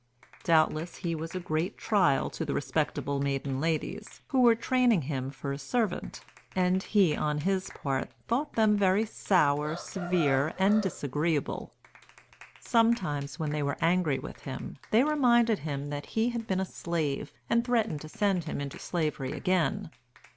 Doubtless he was a great trial to the respectable maiden ladies, who were training him for a servant; and he, on his part, thought them very sour, severe, and disagreeable. Sometimes, when they were angry with him, they reminded him that he had been a slave, and threatened to send him into slavery again.